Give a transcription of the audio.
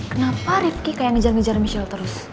kenapa ripki kayak ngejar ngejar michelle terus